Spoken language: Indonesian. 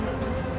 gak akan apa apa